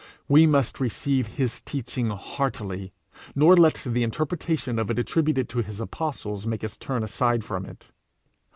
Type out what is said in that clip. We must receive his teaching heartily, nor let the interpretation of it attributed to his apostles make us turn aside from it.